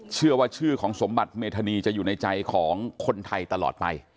เชื่อว่าชื่อของสมบัติเมธานีจะอยู่ในใจของคนไทยตลอดไป